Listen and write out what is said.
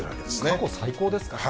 過去最高ですからね。